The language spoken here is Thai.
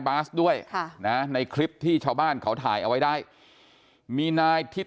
บาสด้วยค่ะนะในคลิปที่ชาวบ้านเขาถ่ายเอาไว้ได้มีนายทิศ